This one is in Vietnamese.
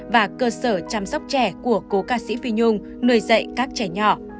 và cơ sở chăm sóc trẻ của cô ca sĩ phi nhung nuôi dậy các trẻ nhỏ